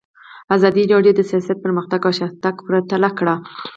ازادي راډیو د سیاست پرمختګ او شاتګ پرتله کړی.